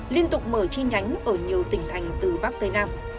liên tục mở chi nhánh ở nhiều tỉnh thành từ bắc tới nam